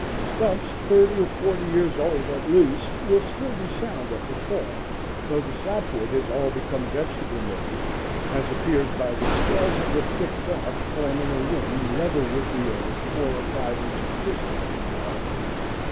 Stumps thirty or forty years old, at least, will still be sound at the core, though the sapwood has all become vegetable mould, as appears by the scales of the thick bark forming a ring level with the earth four or five inches distant from the heart.